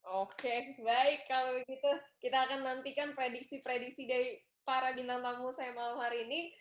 oke baik kalau begitu kita akan nantikan prediksi prediksi dari para bintang tamu saya malam hari ini